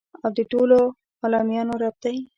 او د ټولو عالميانو رب دى.